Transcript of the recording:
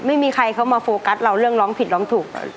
ไม่มีใครเขามาโฟกัสเราเรื่องร้องผิดร้องถูก